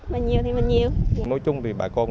bao nhiêu thì mình nhiều nói chung thì bà con